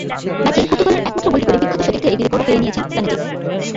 ম্যাচে পর্তুগালের একমাত্র গোলটি করে বিখ্যাত সতীর্থের একটি রেকর্ডও কেড়ে নিয়েছেন সানেচেস।